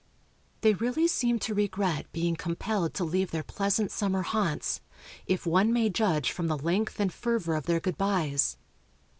They really seem to regret being compelled to leave their pleasant summer haunts, if one may judge from the length and fervor of their good byes.